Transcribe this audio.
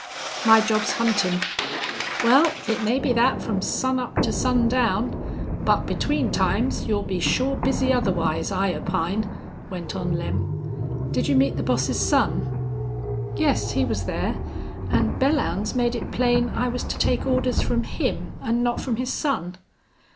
"My job's huntin'." "Wal, it may be thet from sunup to sundown, but between times you'll be sure busy otherwise, I opine," went on Lem. "Did you meet the boss's son?" "Yes, he was there. An' Belllounds made it plain I was to take orders from him an' not from his son."